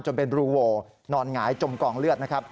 จนเป็นรูโว่นอนหงายจมกองเลือด